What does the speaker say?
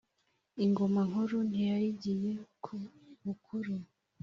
ingoma nkuru n'iyayigiye ku bukuru